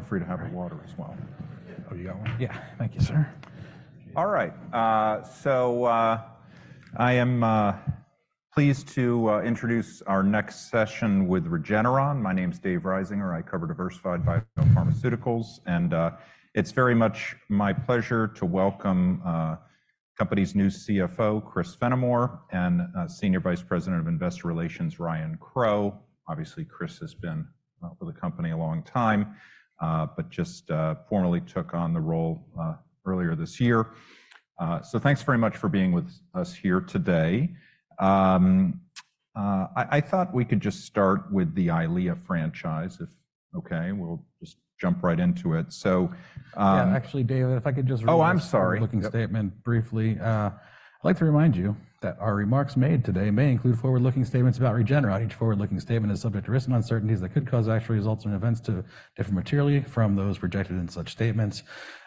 You're free to have the water as well. Oh, you got one? Yeah. Thank you, sir. All right. So, I am pleased to introduce our next session with Regeneron. My name's David Risinger. I cover Diversified Biopharmaceuticals, and it's very much my pleasure to welcome company's new CFO, Chris Fenimore, and Senior Vice President of Investor Relations, Ryan Crowe. Obviously, Chris has been with the company a long time, but just formally took on the role earlier this year. So thanks very much for being with us here today. I thought we could just start with the Eylea franchise, if okay, we'll just jump right into it. So, Yeah. Actually, David, if I could just. Oh, I'm sorry. Forward-looking statement briefly. I'd like to remind you that our remarks made today may include forward-looking statements about Regeneron. Each forward-looking statement is subject to risks and uncertainties that could cause actual results and events to differ materially from those projected in such statements.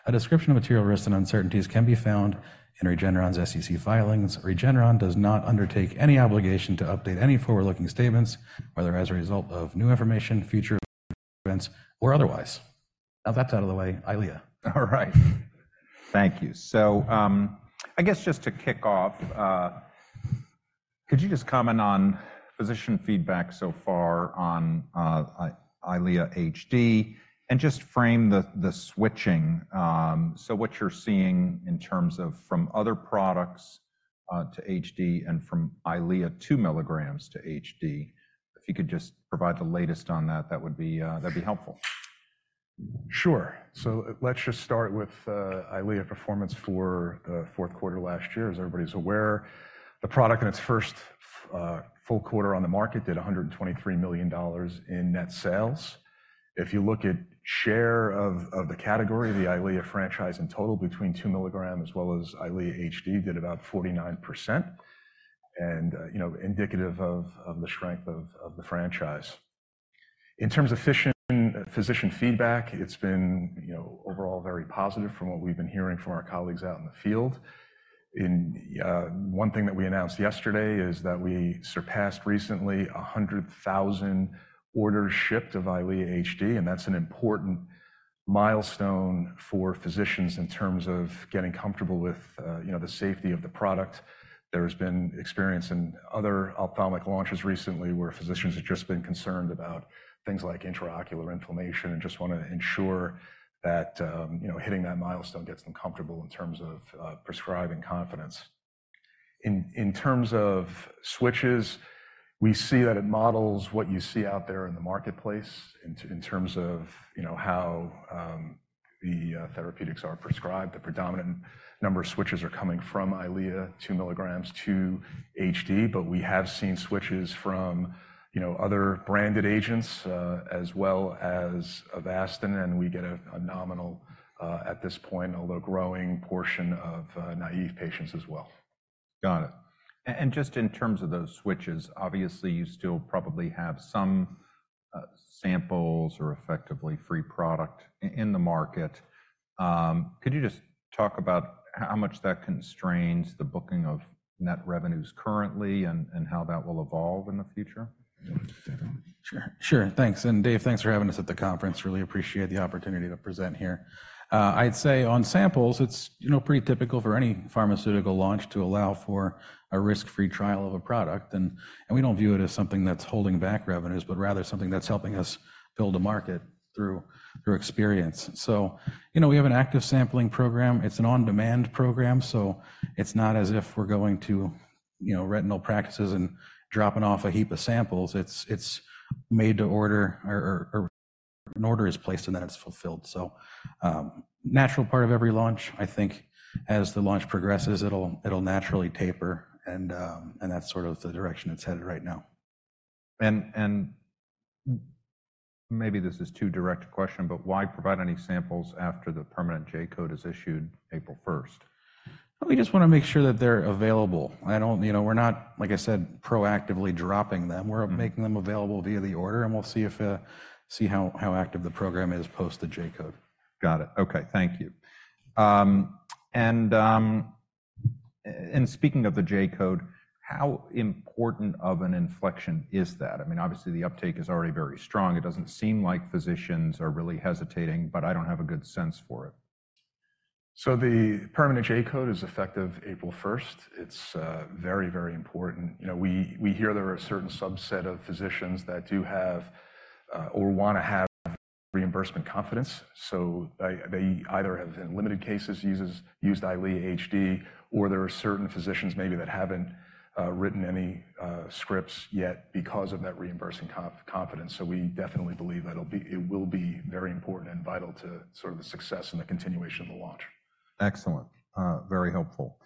A description of material risks and uncertainties can be found in Regeneron's SEC filings. Regeneron does not undertake any obligation to update any forward-looking statements, whether as a result of new information, future events, or otherwise. Now that's out of the way, Eylea. All right. Thank you. So, I guess just to kick off, could you just comment on physician feedback so far on EYLEA HD and just frame the switching? So what you're seeing in terms of from other products to HD and from EYLEA 2 milligrams to HD, if you could just provide the latest on that, that would be, that'd be helpful. Sure. So let's just start with EYLEA performance for the fourth quarter last year, as everybody's aware. The product in its first full quarter on the market did $123 million in net sales. If you look at share of the category, the EYLEA franchise in total between 2 milligram as well as EYLEA HD did about 49%, and you know, indicative of the strength of the franchise. In terms of physician feedback, it's been you know, overall very positive from what we've been hearing from our colleagues out in the field. And one thing that we announced yesterday is that we surpassed recently 100,000 orders shipped of EYLEA HD, and that's an important milestone for physicians in terms of getting comfortable with you know, the safety of the product. There has been experience in other ophthalmic launches recently where physicians have just been concerned about things like intraocular inflammation and just want to ensure that, you know, hitting that milestone gets them comfortable in terms of prescribing confidence. In terms of switches, we see that it models what you see out there in the marketplace in terms of, you know, how the therapeutics are prescribed. The predominant number of switches are coming from EYLEA 2 milligrams to HD, but we have seen switches from, you know, other branded agents as well as Avastin, and we get a nominal, at this point, although growing portion of naive patients as well. Got it. And just in terms of those switches, obviously you still probably have some samples or effectively free product in the market. Could you just talk about how much that constrains the booking of net revenues currently and how that will evolve in the future? Sure. Thanks. And Dave, thanks for having us at the conference. Really appreciate the opportunity to present here. I'd say on samples, it's, you know, pretty typical for any pharmaceutical launch to allow for a risk-free trial of a product. And we don't view it as something that's holding back revenues, but rather something that's helping us build a market through experience. So, you know, we have an active sampling program. It's an on-demand program. So it's not as if we're going to, you know, retinal practices and dropping off a heap of samples. It's made to order or an order is placed and then it's fulfilled. So natural part of every launch, I think, as the launch progresses, it'll naturally taper. And that's sort of the direction it's headed right now. Maybe this is too direct a question, but why provide any samples after the permanent J code is issued April 1st? We just want to make sure that they're available. I don't, you know, we're not, like I said, proactively dropping them. We're making them available via the order, and we'll see how active the program is post the J code. Got it. Okay. Thank you. And speaking of the J code, how important of an inflection is that? I mean, obviously the uptake is already very strong. It doesn't seem like physicians are really hesitating, but I don't have a good sense for it. So the permanent J code is effective April 1st. It's very, very important. You know, we hear there are a certain subset of physicians that do have or want to have reimbursement confidence. So they either have, in limited cases, used EYLEA HD, or there are certain physicians maybe that haven't written any scripts yet because of that reimbursement confidence. So we definitely believe that it will be very important and vital to sort of the success and the continuation of the launch. Excellent. Very helpful.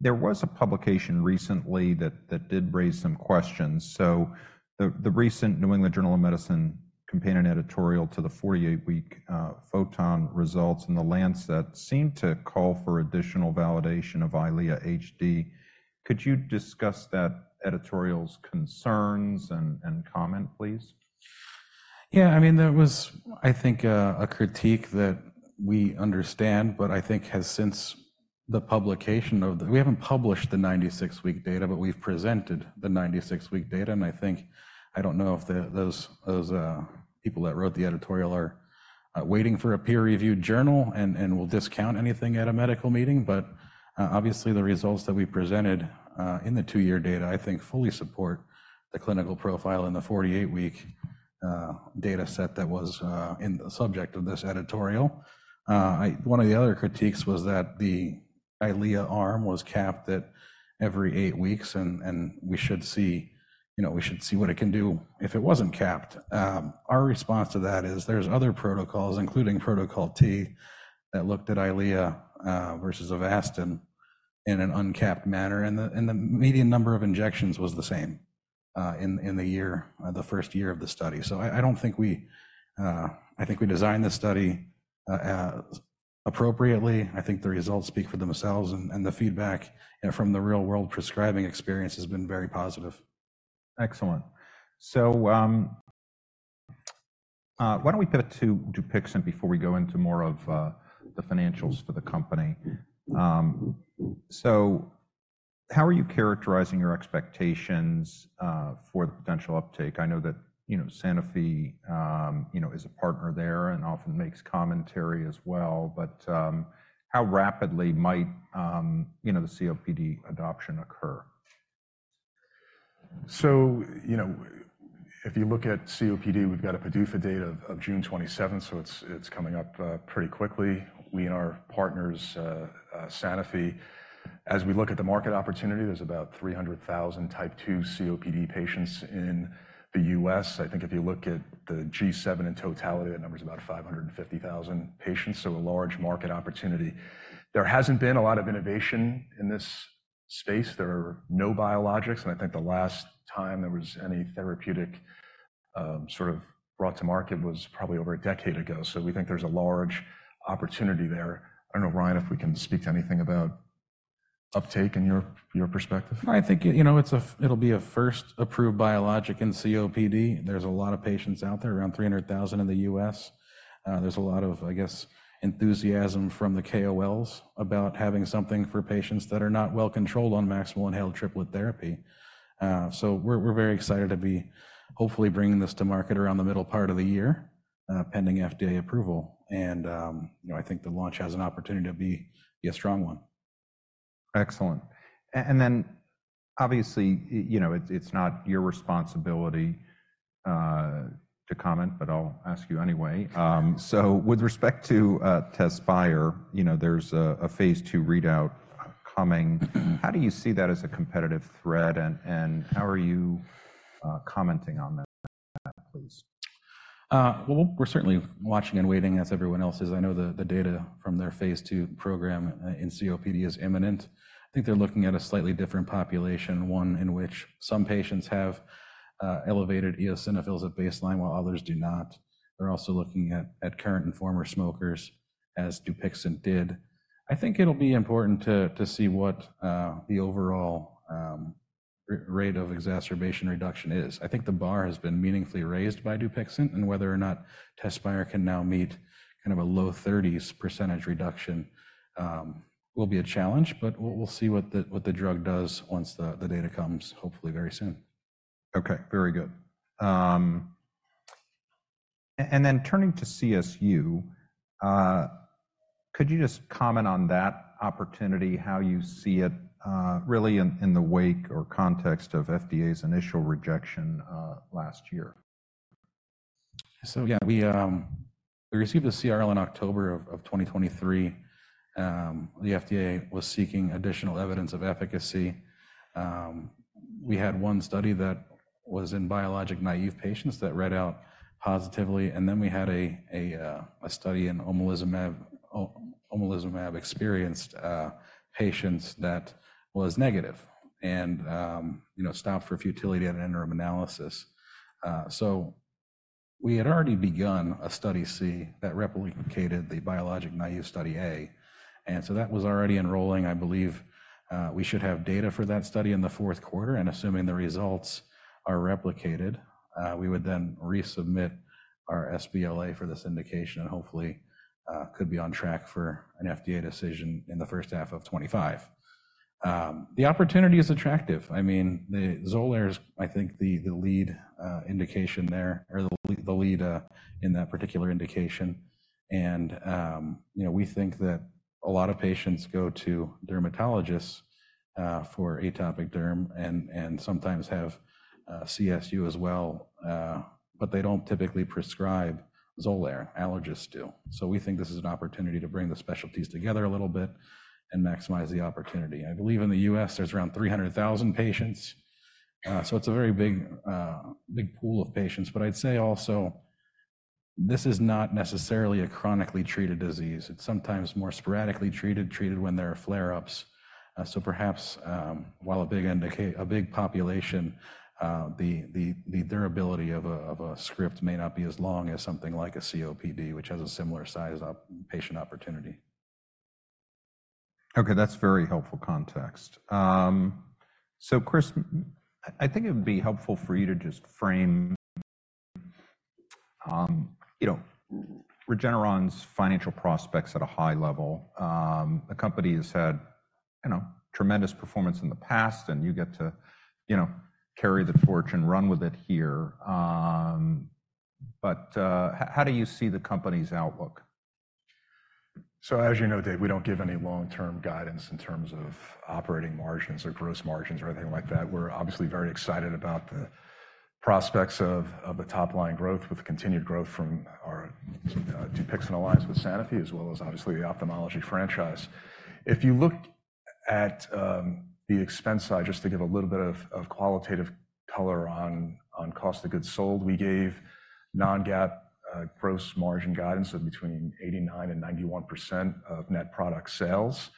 There was a publication recently that did raise some questions. The recent New England Journal of Medicine companion editorial to the 48-week PHOTON results in the Lancet seemed to call for additional validation of EYLEA HD. Could you discuss that editorial's concerns and comment, please? Yeah. I mean, there was, I think, a critique that we understand, but I think has since the publication of the we haven't published the 96-week data, but we've presented the 96-week data. And I think I don't know if those people that wrote the editorial are waiting for a peer-reviewed journal and will discount anything at a medical meeting. But obviously the results that we presented in the 2-year data, I think, fully support the clinical profile in the 48-week dataset that was subject to this editorial. One of the other critiques was that the Eylea arm was capped at every 8 weeks, and we should see, you know, we should see what it can do if it wasn't capped. Our response to that is there's other protocols, including Protocol T, that looked at EYLEA versus Avastin in an uncapped manner, and the median number of injections was the same in the year, the first year of the study. So I don't think we designed this study appropriately. I think the results speak for themselves, and the feedback from the real-world prescribing experience has been very positive. Excellent. So why don't we pivot to Dupixent before we go into more of the financials for the company? So how are you characterizing your expectations for the potential uptake? I know that, you know, Sanofi, you know, is a partner there and often makes commentary as well. But how rapidly might, you know, the COPD adoption occur? So, you know, if you look at COPD, we've got a PDUFA date of June 27th, so it's coming up pretty quickly. We and our partners, Sanofi, as we look at the market opportunity, there's about 300,000 type 2 COPD patients in the U.S. I think if you look at the G7 in totality, that number is about 550,000 patients. So a large market opportunity. There hasn't been a lot of innovation in this space. There are no biologics. And I think the last time there was any therapeutic sort of brought to market was probably over a decade ago. So we think there's a large opportunity there. I don't know, Ryan, if we can speak to anything about uptake in your perspective. I think, you know, it'll be a first-approved biologic in COPD. There's a lot of patients out there, around 300,000 in the U.S. There's a lot of, I guess, enthusiasm from the KOLs about having something for patients that are not well controlled on maximal inhaled triplet therapy. So we're very excited to be hopefully bringing this to market around the middle part of the year pending FDA approval. And, you know, I think the launch has an opportunity to be a strong one. Excellent. Then obviously, you know, it's not your responsibility to comment, but I'll ask you anyway. With respect to Tezspire, you know, there's a phase 2 readout coming. How do you see that as a competitive threat, and how are you commenting on that, please? Well, we're certainly watching and waiting as everyone else is. I know the data from their phase 2 program in COPD is imminent. I think they're looking at a slightly different population, one in which some patients have elevated eosinophils at baseline while others do not. They're also looking at current and former smokers, as Dupixent did. I think it'll be important to see what the overall rate of exacerbation reduction is. I think the bar has been meaningfully raised by Dupixent, and whether or not Tezspire can now meet kind of a low 30s% reduction will be a challenge, but we'll see what the drug does once the data comes, hopefully very soon. Okay. Very good. Then turning to CSU, could you just comment on that opportunity, how you see it really in the wake or context of FDA's initial rejection last year? So, yeah, we received the CRL in October of 2023. The FDA was seeking additional evidence of efficacy. We had one study that was in biologic naive patients that read out positively. And then we had a study in omalizumab experienced patients that was negative and, you know, stopped for futility at an interim analysis. So we had already begun a study C that replicated the biologic naive study A. And so that was already enrolling. I believe we should have data for that study in the fourth quarter. And assuming the results are replicated, we would then resubmit our sBLA for this indication and hopefully could be on track for an FDA decision in the first half of 2025. The opportunity is attractive. I mean, the Xolair is, I think, the lead indication there or the lead in that particular indication. You know, we think that a lot of patients go to dermatologists for atopic derm and sometimes have CSU as well. But they don't typically prescribe Xolair. Allergists do. So we think this is an opportunity to bring the specialties together a little bit and maximize the opportunity. I believe in the U.S., there's around 300,000 patients. So it's a very big pool of patients. But I'd say also this is not necessarily a chronically treated disease. It's sometimes more sporadically treated, treated when there are flare-ups. So perhaps while a big population, the durability of a script may not be as long as something like a COPD, which has a similar sized patient opportunity. Okay. That's very helpful context. So, Chris, I think it would be helpful for you to just frame, you know, Regeneron's financial prospects at a high level. The company has had, you know, tremendous performance in the past, and you get to, you know, carry the fortune, run with it here. But how do you see the company's outlook? So, as you know, Dave, we don't give any long-term guidance in terms of operating margins or gross margins or anything like that. We're obviously very excited about the prospects of the top-line growth with continued growth from our Dupixent Alliance with Sanofi as well as obviously the ophthalmology franchise. If you look at the expense side, just to give a little bit of qualitative color on cost of goods sold, we gave non-GAAP gross margin guidance of between 89% and 91% of net product sales.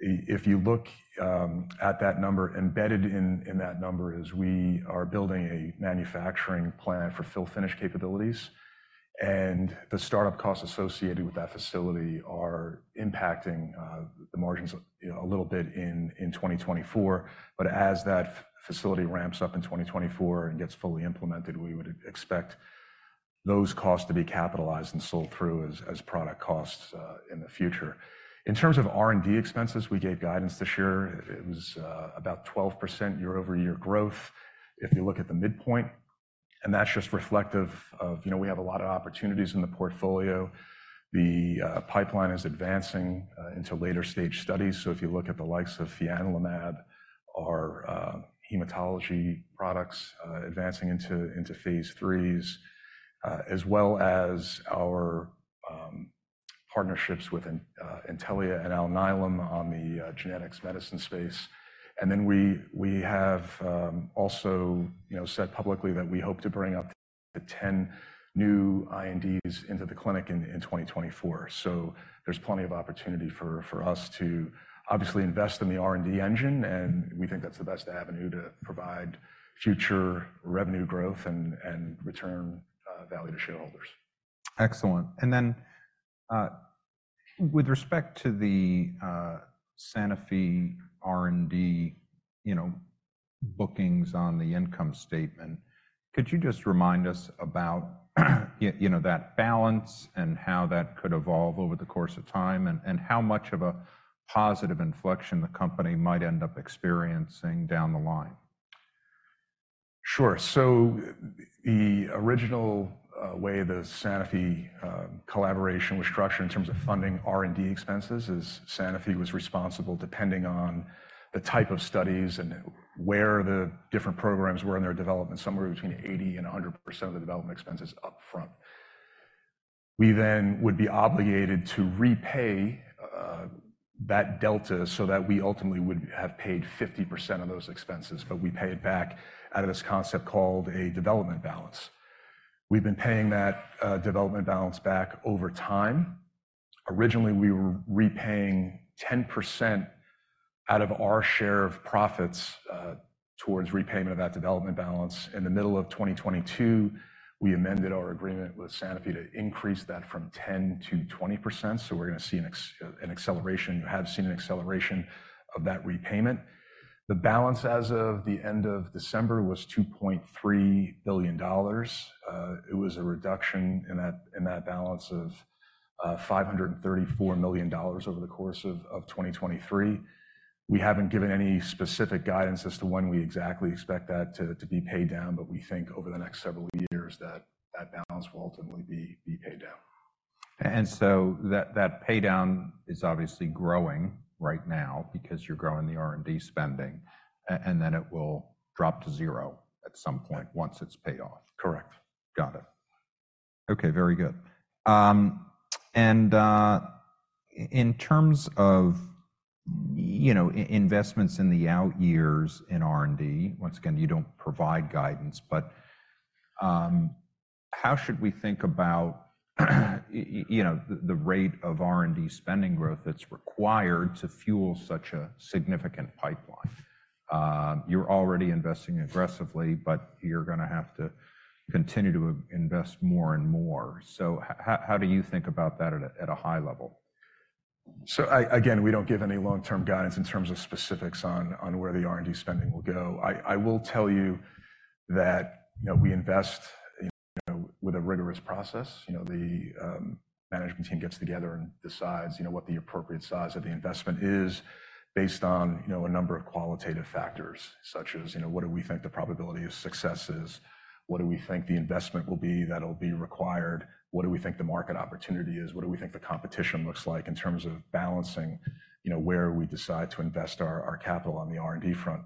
If you look at that number, embedded in that number is we are building a manufacturing plant for fill-finish capabilities. And the startup costs associated with that facility are impacting the margins a little bit in 2024. But as that facility ramps up in 2024 and gets fully implemented, we would expect those costs to be capitalized and sold through as product costs in the future. In terms of R&D expenses, we gave guidance this year. It was about 12% year-over-year growth if you look at the midpoint. And that's just reflective of, you know, we have a lot of opportunities in the portfolio. The pipeline is advancing into later stage studies. So if you look at the likes of linvoseltamab, our hematology products advancing into phase threes, as well as our partnerships with Intellia and Alnylam on the genetics medicine space. And then we have also, you know, said publicly that we hope to bring up to 10 new INDs into the clinic in 2024. There's plenty of opportunity for us to obviously invest in the R&D engine, and we think that's the best avenue to provide future revenue growth and return value to shareholders. Excellent. And then with respect to the Sanofi R&D, you know, bookings on the income statement, could you just remind us about, you know, that balance and how that could evolve over the course of time and how much of a positive inflection the company might end up experiencing down the line? Sure. So the original way the Sanofi collaboration was structured in terms of funding R&D expenses is Sanofi was responsible, depending on the type of studies and where the different programs were in their development, somewhere between 80%-100% of the development expenses upfront. We then would be obligated to repay that delta so that we ultimately would have paid 50% of those expenses, but we pay it back out of this concept called a development balance. We've been paying that development balance back over time. Originally, we were repaying 10% out of our share of profits towards repayment of that development balance. In the middle of 2022, we amended our agreement with Sanofi to increase that from 10%-20%. So we're going to see an acceleration. You have seen an acceleration of that repayment. The balance as of the end of December was $2.3 billion. It was a reduction in that balance of $534 million over the course of 2023. We haven't given any specific guidance as to when we exactly expect that to be paid down, but we think over the next several years that that balance will ultimately be paid down. And so that paydown is obviously growing right now because you're growing the R&D spending, and then it will drop to zero at some point once it's paid off. Correct. Got it. Okay. Very good. And in terms of, you know, investments in the out years in R&D, once again, you don't provide guidance, but how should we think about, you know, the rate of R&D spending growth that's required to fuel such a significant pipeline? You're already investing aggressively, but you're going to have to continue to invest more and more. So how do you think about that at a high level? So again, we don't give any long-term guidance in terms of specifics on where the R&D spending will go. I will tell you that, you know, we invest with a rigorous process. You know, the management team gets together and decides, you know, what the appropriate size of the investment is based on, you know, a number of qualitative factors such as, you know, what do we think the probability of success is? What do we think the investment will be that will be required? What do we think the market opportunity is? What do we think the competition looks like in terms of balancing, you know, where we decide to invest our capital on the R&D front?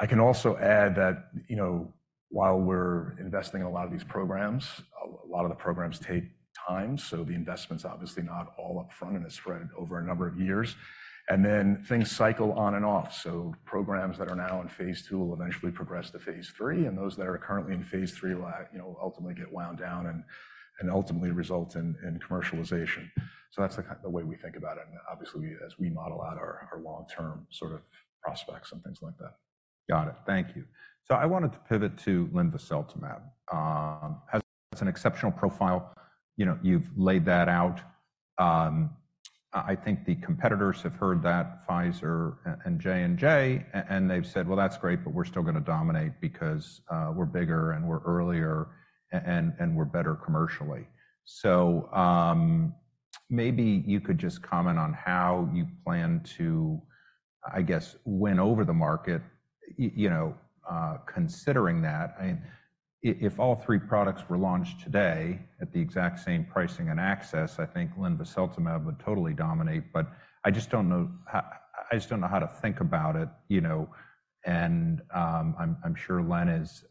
I can also add that, you know, while we're investing in a lot of these programs, a lot of the programs take time. So the investment's obviously not all upfront and it's spread over a number of years. And then things cycle on and off. So programs that are now in phase 2 will eventually progress to phase 3. And those that are currently in phase 3 will, you know, ultimately get wound down and ultimately result in commercialization. So that's the way we think about it. And obviously, as we model out our long-term sort of prospects and things like that. Got it. Thank you. So I wanted to pivot to linvoseltamab. Has an exceptional profile. You know, you've laid that out. I think the competitors have heard that, Pfizer and J&J, and they've said, "Well, that's great, but we're still going to dominate because we're bigger and we're earlier and we're better commercially." So maybe you could just comment on how you plan to, I guess, win over the market, you know, considering that. I mean, if all three products were launched today at the exact same pricing and access, I think linvoseltamab would totally dominate. But I just don't know how I just don't know how to think about it, you know. And I'm sure Len is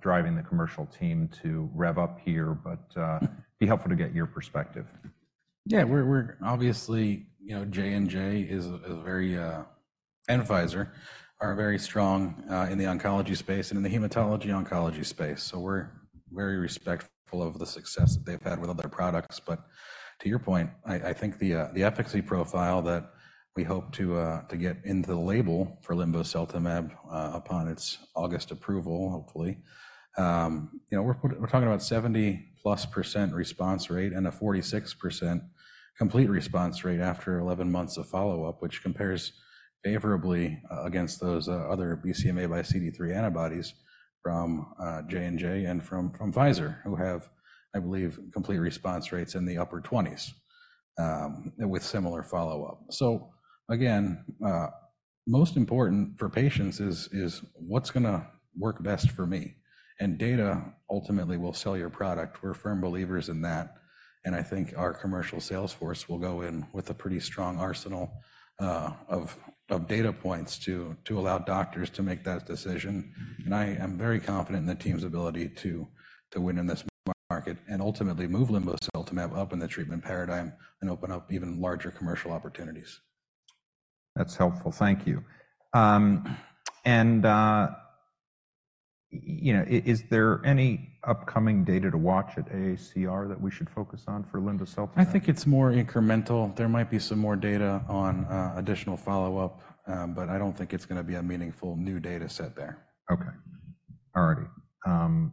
driving the commercial team to rev up here, but be helpful to get your perspective. Yeah. We're obviously, you know, J&J and Pfizer are very strong in the oncology space and in the hematology-oncology space. So we're very respectful of the success that they've had with other products. But to your point, I think the efficacy profile that we hope to get into the label for linvoseltamab upon its August approval, hopefully, you know, we're talking about 70+% response rate and a 46% complete response rate after 11 months of follow-up, which compares favorably against those other BCMA x CD3 antibodies from J&J and from Pfizer, who have, I believe, complete response rates in the upper 20s% with similar follow-up. So again, most important for patients is what's going to work best for me. And data ultimately will sell your product. We're firm believers in that. I think our commercial sales force will go in with a pretty strong arsenal of data points to allow doctors to make that decision. And I am very confident in the team's ability to win in this market and ultimately move linvoseltamab up in the treatment paradigm and open up even larger commercial opportunities. That's helpful. Thank you. You know, is there any upcoming data to watch at AACR that we should focus on for linvoseltamab? I think it's more incremental. There might be some more data on additional follow-up, but I don't think it's going to be a meaningful new data set there. Okay. All righty.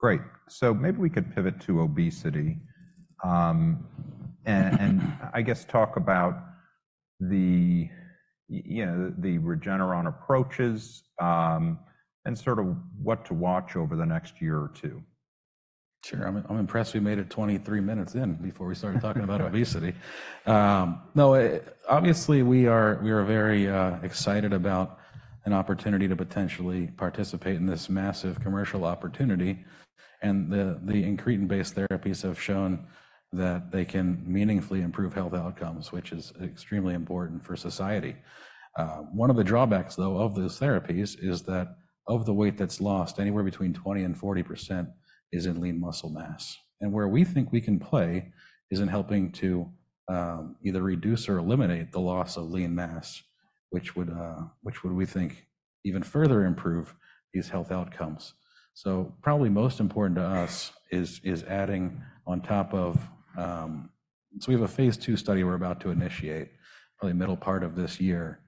Great. So maybe we could pivot to obesity and I guess talk about the, you know, the Regeneron approaches and sort of what to watch over the next year or two. Sure. I'm impressed we made it 23 minutes in before we started talking about obesity. No, obviously, we are very excited about an opportunity to potentially participate in this massive commercial opportunity. And the incretin-based therapies have shown that they can meaningfully improve health outcomes, which is extremely important for society. One of the drawbacks, though, of those therapies is that of the weight that's lost, anywhere between 20%-40% is in lean muscle mass. And where we think we can play is in helping to either reduce or eliminate the loss of lean mass, which would, we think, even further improve these health outcomes. So probably most important to us is adding on top of so we have a phase 2 study we're about to initiate probably middle part of this year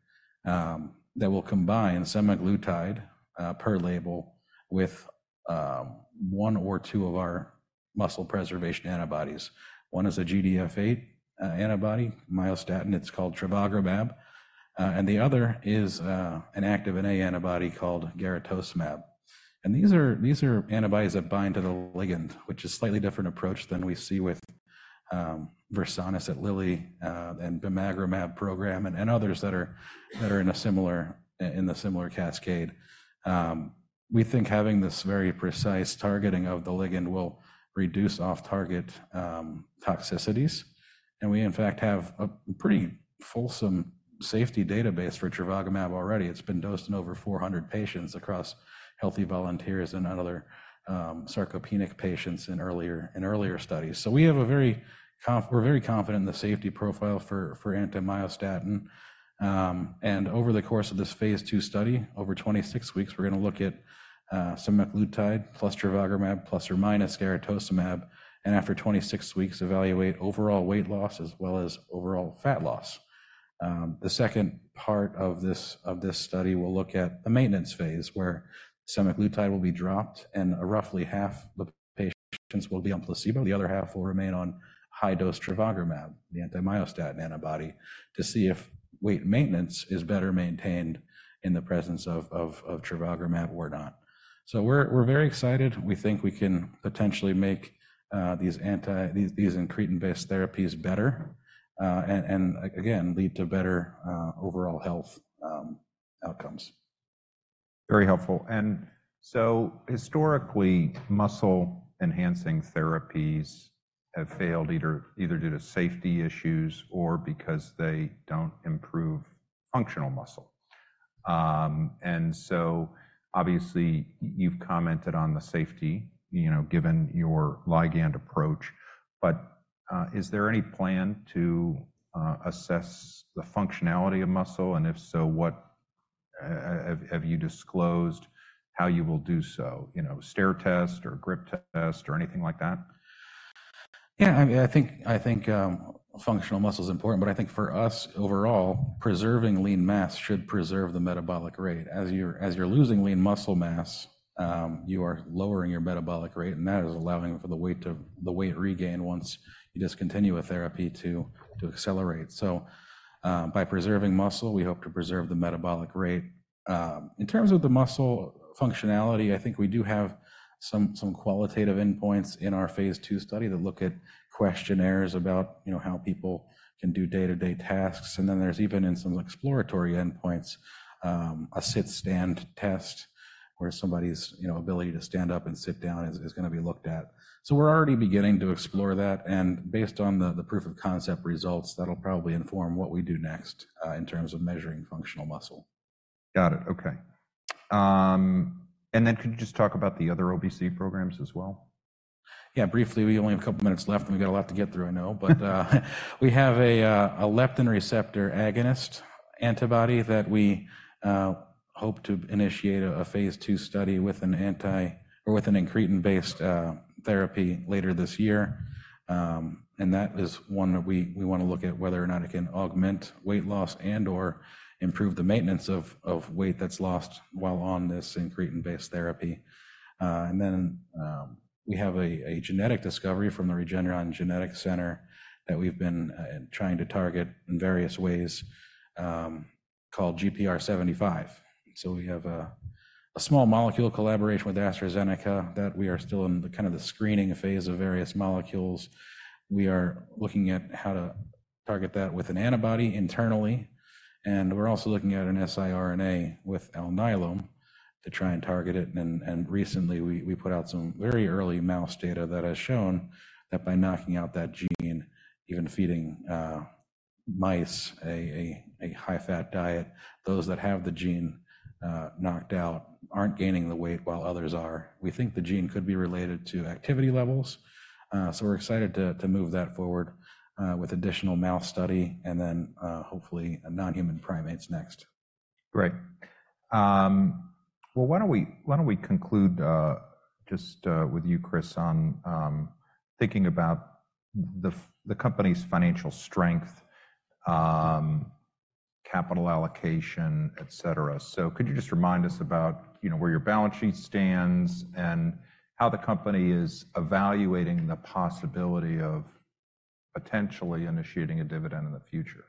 that will combine semaglutide per label with one or two of our muscle preservation antibodies. One is a GDF8 antibody, myostatin. It's called trevogrumab. And the other is an activin A antibody called garetosmab And these are antibodies that bind to the ligand, which is a slightly different approach than we see with Versanis at Lilly and bimagrumab program and others that are in a similar cascade. We think having this very precise targeting of the ligand will reduce off-target toxicities. And we, in fact, have a pretty fulsome safety database for trevogrumab already. It's been dosed in over 400 patients across healthy volunteers and other sarcopenic patients in earlier studies. So we're very confident in the safety profile for antimyostatin. And over the course of this phase 2 study, over 26 weeks, we're going to look at semaglutide plus trevogrumab plus or minus garetosmab. And after 26 weeks, evaluate overall weight loss as well as overall fat loss. The second part of this study will look at the maintenance phase where semaglutide will be dropped and roughly half the patients will be on placebo. The other half will remain on high-dose trevogrumab, the antimyostatin antibody, to see if, wait, maintenance is better maintained in the presence of trevogrumab or not. So we're very excited. We think we can potentially make these incretin-based therapies better and, again, lead to better overall health outcomes. Very helpful. And so historically, muscle-enhancing therapies have failed either due to safety issues or because they don't improve functional muscle. And so obviously, you've commented on the safety, you know, given your ligand approach. But is there any plan to assess the functionality of muscle? And if so, what have you disclosed how you will do so, you know, stair test or grip test or anything like that? Yeah. I mean, I think functional muscle is important. But I think for us overall, preserving lean mass should preserve the metabolic rate. As you're losing lean muscle mass, you are lowering your metabolic rate. And that is allowing for the weight to regain once you discontinue a therapy to accelerate. So by preserving muscle, we hope to preserve the metabolic rate. In terms of the muscle functionality, I think we do have some qualitative endpoints in our phase 2 study that look at questionnaires about, you know, how people can do day-to-day tasks. And then there's even in some exploratory endpoints, a sit-stand test where somebody's, you know, ability to stand up and sit down is going to be looked at. So we're already beginning to explore that. And based on the proof of concept results, that'll probably inform what we do next in terms of measuring functional muscle. Got it. Okay. And then could you just talk about the other obesity programs as well? Yeah. Briefly, we only have a couple of minutes left, and we got a lot to get through, I know. But we have a leptin receptor agonist antibody that we hope to initiate a phase 2 study with an incretin-based therapy later this year. And that is one that we want to look at whether or not it can augment weight loss and/or improve the maintenance of weight that's lost while on this incretin-based therapy. And then we have a genetic discovery from the Regeneron Genetics Center that we've been trying to target in various ways called GPR75. So we have a small molecule collaboration with AstraZeneca that we are still in the kind of the screening phase of various molecules. We are looking at how to target that with an antibody internally. And we're also looking at an siRNA with Alnylam to try and target it. Recently, we put out some very early mouse data that has shown that by knocking out that gene, even feeding mice a high-fat diet, those that have the gene knocked out aren't gaining the weight while others are. We think the gene could be related to activity levels. We're excited to move that forward with additional mouse study and then hopefully non-human primates next. Great. Well, why don't we conclude just with you, Chris, on thinking about the company's financial strength, capital allocation, et cetera. So could you just remind us about, you know, where your balance sheet stands and how the company is evaluating the possibility of potentially initiating a dividend in the future?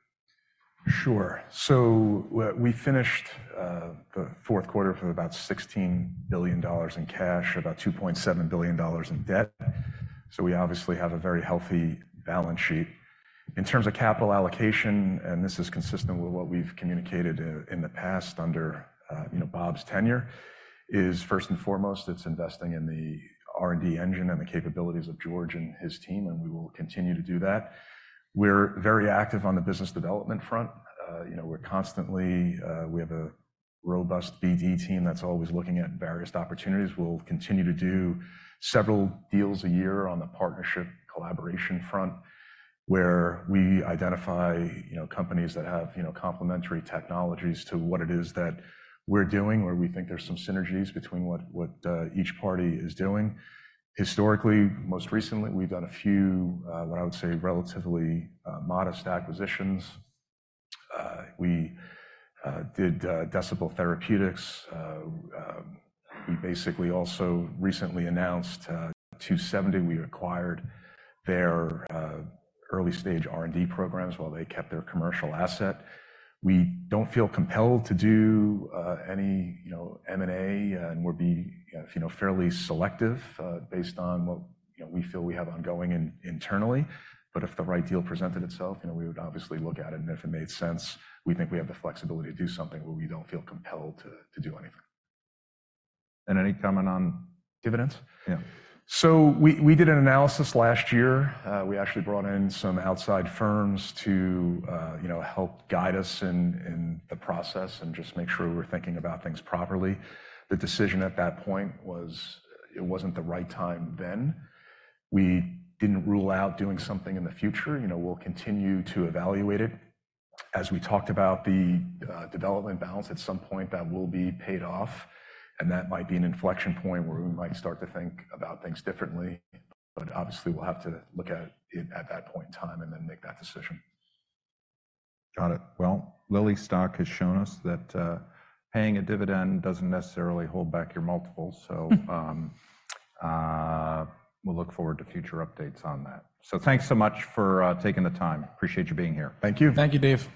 Sure. So we finished the fourth quarter for about $16 billion in cash, about $2.7 billion in debt. So we obviously have a very healthy balance sheet. In terms of capital allocation, and this is consistent with what we've communicated in the past under, you know, Bob's tenure, is first and foremost, it's investing in the R&D engine and the capabilities of George and his team. And we will continue to do that. We're very active on the business development front. You know, we're constantly, we have a robust BD team that's always looking at various opportunities. We'll continue to do several deals a year on the partnership collaboration front where we identify, you know, companies that have, you know, complementary technologies to what it is that we're doing where we think there's some synergies between what each party is doing. Historically, most recently, we've done a few, what I would say, relatively modest acquisitions. We did Decibel Therapeutics. We basically also recently announced 2seventy bio. We acquired their early-stage R&D programs while they kept their commercial asset. We don't feel compelled to do any, you know, M&A. And we'll be, you know, fairly selective based on what, you know, we feel we have ongoing internally. But if the right deal presented itself, you know, we would obviously look at it. And if it made sense, we think we have the flexibility to do something where we don't feel compelled to do anything. Any comment on dividends? Yeah. So we did an analysis last year. We actually brought in some outside firms to, you know, help guide us in the process and just make sure we were thinking about things properly. The decision at that point was it wasn't the right time then. We didn't rule out doing something in the future. You know, we'll continue to evaluate it. As we talked about the development balance, at some point that will be paid off. And that might be an inflection point where we might start to think about things differently. But obviously, we'll have to look at it at that point in time and then make that decision. Got it. Well, Lilly stock has shown us that paying a dividend doesn't necessarily hold back your multiples. So we'll look forward to future updates on that. So thanks so much for taking the time. Appreciate you being here. Thank you. Thank you, Dave.